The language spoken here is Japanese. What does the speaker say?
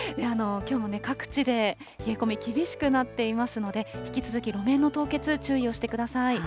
きょうも各地で冷え込み、厳しくなっていますので、引き続き路面の凍結、注意をしてください。